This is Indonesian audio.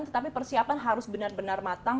tetapi persiapan harus benar benar matang